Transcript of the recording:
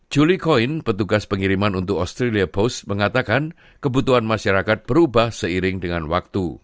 julie coyne petugas pengiriman untuk australia post mengatakan kebutuhan masyarakat berubah seiring dengan waktu